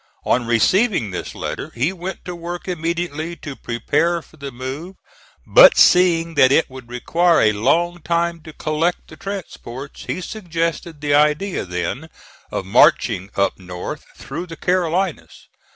On receiving this letter he went to work immediately to prepare for the move, but seeing that it would require a long time to collect the transports, he suggested the idea then of marching up north through the Carolinas.